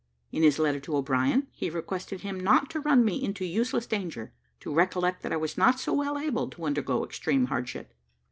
In his letter to O'Brien, he requested him not to run me into useless danger to recollect that I was not so well able to undergo extreme hardship.